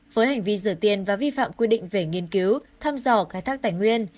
với hành vi rửa tiền và vi phạm quy định về nghiên cứu thăm dò khai thác tài nguyên